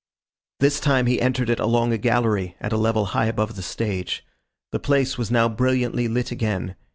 This time he entered it along a gallery at a level high above the stage. The place was now brilliantly lit again.